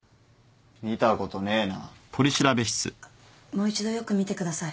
もう一度よく見てください。